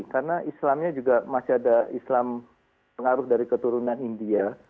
karena islamnya juga masih ada islam pengaruh dari keturunan india